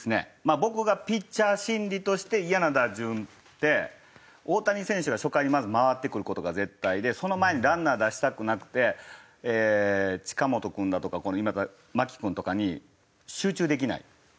僕がピッチャー心理としてイヤな打順で大谷選手が初回にまず回ってくる事が絶対でその前にランナー出したくなくて近本君だとか牧君とかに集中できない。